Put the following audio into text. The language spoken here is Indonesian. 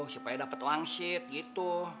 supaya dapet wangsit gitu